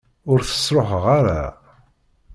Ur t-sṛuḥeɣ ara.